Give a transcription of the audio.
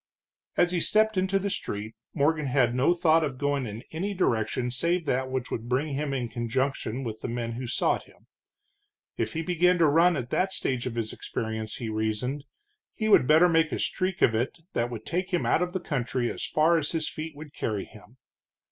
As he stepped into the street, Morgan had no thought of going in any direction save that which would bring him in conjunction with the men who sought him. If he began to run at that stage of his experiences, he reasoned, he would better make a streak of it that would take him out of the country as fast as his feet would carry him.